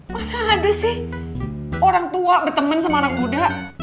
mana ada sih orang tua bertemen sama orang muda